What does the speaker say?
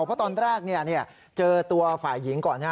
เพราะตอนแรกเจอตัวฝ่ายหญิงก่อน